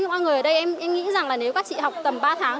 ba người ở đây em nghĩ rằng là nếu các chị học tầm ba tháng